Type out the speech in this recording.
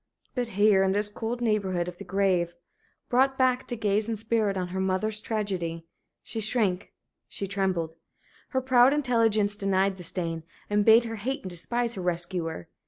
But here, in this cold neighborhood of the grave brought back to gaze in spirit; on her mother's tragedy she shrank, she trembled. Her proud intelligence denied the stain, and bade her hate and despise her rescuer.